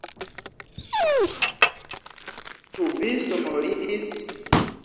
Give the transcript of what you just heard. Ĉu vi somorigis?